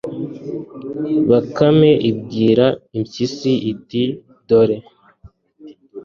bakame ibwira impyisi iti, dore